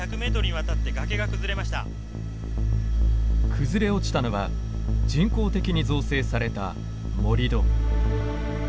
崩れ落ちたのは人工的に造成された盛土。